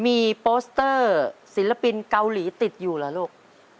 มีโปสเตอร์ศิลปินเกาหลีติดอยู่เหรอลูก